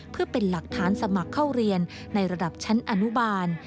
เพื่อเป็นหลักฐานสมัครเข้าเรียนในระดับชั้นอนุบาล